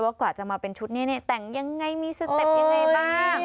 กว่าจะมาเป็นชุดนี้เนี่ยแต่งยังไงมีสเต็ปยังไงบ้าง